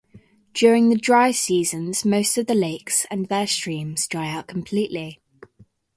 During the dry season most of the lakes and their streams dry out completely.